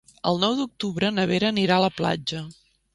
El nou d'octubre na Vera anirà a la platja.